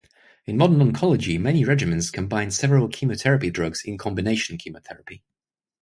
In modern oncology, many regimens combine several chemotherapy drugs in combination chemotherapy.